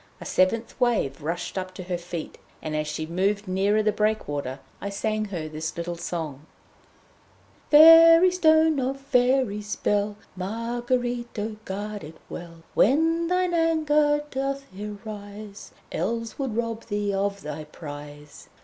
A seventh wave rushed up to her feet, and as she moved nearer the breakwater, I sang her this little song: 'Fairy stone of fairy spell, Marguerite, O guard it well! When thine anger doth arise Elves would rob thee of thy prize.